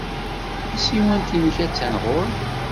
Tasiwant-nnek attan ɣer-i.